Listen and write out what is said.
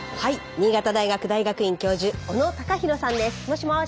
新潟大学大学院教授小野高裕さんです。